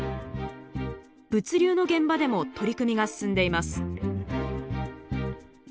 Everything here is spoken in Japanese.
物流の現場でも取り組みが進んでいます。